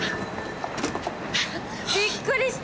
びっくりした！